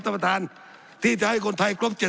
สับขาหลอกกันไปสับขาหลอกกันไป